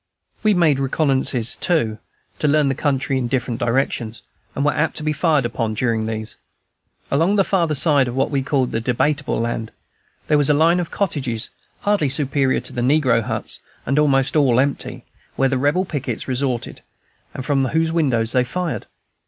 We made reconnoissances, too, to learn the country in different directions, and were apt to be fired upon during these. Along the farther side of what we called the "Debatable Land" there was a line of cottages, hardly superior to negro huts, and almost all empty, where the Rebel pickets resorted, and from whose windows they fired.